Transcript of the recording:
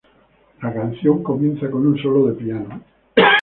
La canción comienza con un solo de piano.